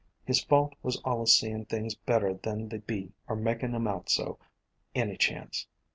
His fault was allus seeing things better than they be, or makin' 'em out so, any chance.